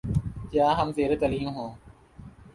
جہاں میں زیرتعلیم ہوں